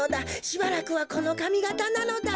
しばらくはこのかみがたなのだ。